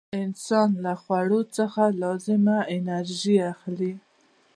انسان له خوړو څخه لازمه انرژي اخلي.